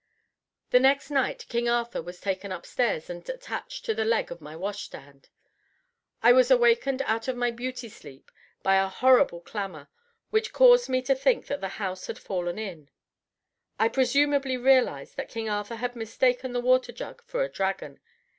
The next night King Arthur was taken upstairs and attached to the leg of my wash stand. I was awakened out of my beauty sleep by a horrible clamor which caused me to think that the house had fallen in. I presently realized that King Arthur had mistaken the water jug for a dragon.